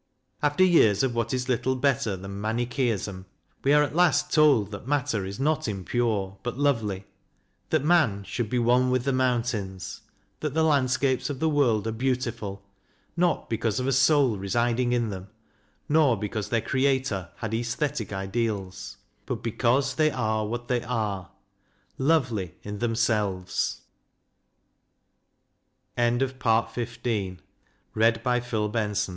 After years of what is little better than Manicheeism we are at last told that Matter is not impure but lovely; that man should be " one with the mountains"; that the landscapes of the world are beautiful, not because of a soul residing in them, nor because their creator had aesthetic ideals, but because they are what they are lovely in themselves.